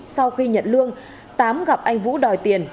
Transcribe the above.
sau khi nhận lương tám gặp anh vũ đòi tiền